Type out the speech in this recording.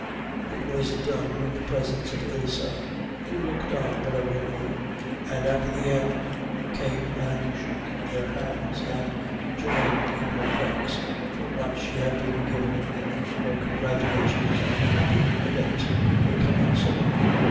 It was done in the presence of Ilse, who looked on benevolently and at the end came and shook their hands and joined to her thanks for what she had been given her congratulations on the happy event of the coming summer.